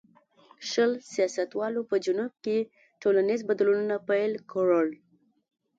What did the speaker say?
شل سیاستوالو په جنوب کې ټولنیز بدلونونه پیل کړل.